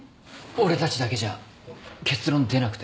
俺たちだけじゃ結論出なくて。